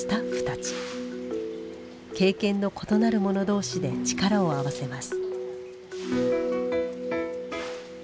経験の異なるもの同士で力を合わせます。